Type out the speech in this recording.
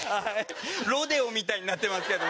ロデオみたいになってますけども。